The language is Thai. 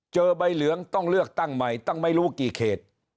ใบเหลืองต้องเลือกตั้งใหม่ตั้งไม่รู้กี่เขต